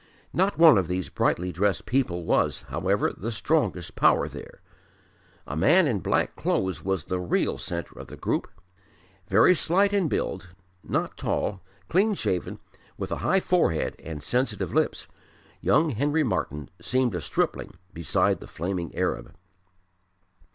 Not one of these brightly dressed people was, however, the strongest power there. A man in black clothes was the real centre of the group. Very slight in build, not tall, clean shaven, with a high forehead and sensitive lips, young Henry Martyn seemed a stripling beside the flaming Arab.